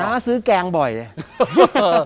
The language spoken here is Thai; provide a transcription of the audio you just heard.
น้าซื้อแกงบ่อยเนี่ย